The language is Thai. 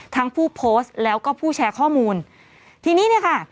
ผู้โพสต์แล้วก็ผู้แชร์ข้อมูลทีนี้เนี่ยค่ะ